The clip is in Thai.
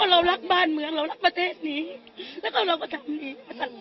เรารักบ้านเมืองเรารักประเทศนี้เราก็ตามนี้